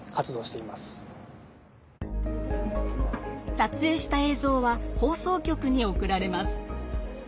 さつえいした映像は放送局に送られます。